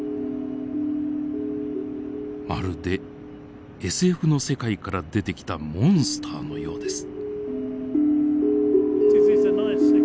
まるでＳＦの世界から出てきたモンスターのようです。